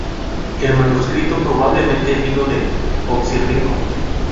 El manuscrito probablemente vino de Oxirrinco.